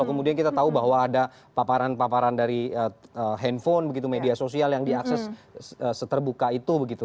kemudian kita tahu bahwa ada paparan paparan dari handphone begitu media sosial yang diakses seterbuka itu begitu